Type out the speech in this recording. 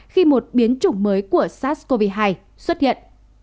khi một biến chủng mới của sars cov hai xuất hiện